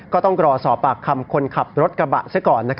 ก็ต้องรอสอบปากคำคนขับรถกระบะซะก่อน